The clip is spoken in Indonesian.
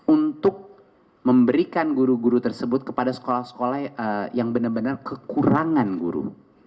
untuk memberikan guru guru tersebut kepada sekolah sekolah yang benar benar kekurangan guru